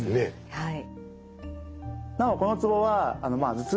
はい。